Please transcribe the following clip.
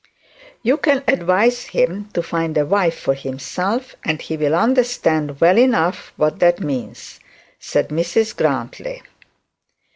'You can advise him to find a wife for himself, and he will understand well enough what that means,' said Mrs Grantly.